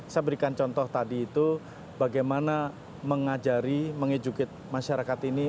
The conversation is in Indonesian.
saya berikan contoh tadi itu bagaimana mengajari mengejukit masyarakat ini